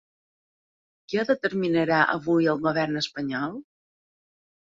Què determinarà avui el govern espanyol?